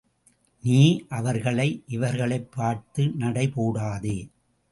நீ, அவர்களை, இவர்களைப் பார்த்து நடை போடாதே.